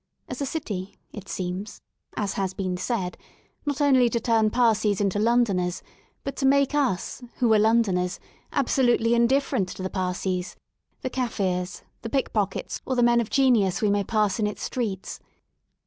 As a city, it seems, as has been said, not only to turn Parsees into Londoners but to make us, who are Londoners, absolutely indifferent to the Parsees, the Kaffirs, the pickpockets or the men of genius we 147 THE SOUL OF LONDON may pass in its streets.